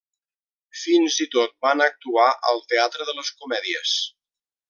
Fins i tot van actuar al Teatre de les Comèdies.